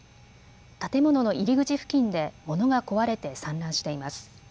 建物の入り口付近で物が壊れて散乱しています。